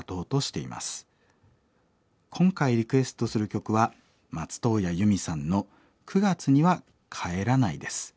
今回リクエストする曲は松任谷由実さんの『９月には帰らない』です。